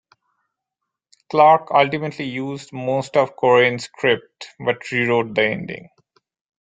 Clark ultimately used most of Korine's script, but rewrote the ending.